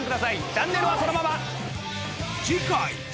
チャンネルはそのまま！